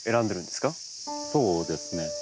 そうですね。